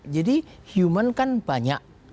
jadi human kan banyak